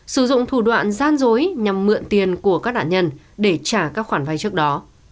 sử dụng thủ đoạn gian dối nhằm mượn tiền của các nạn nhân để trả các khoản vay trước đó